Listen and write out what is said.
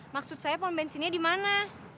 maksud saya pom bensinnya di mana